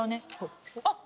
あっ。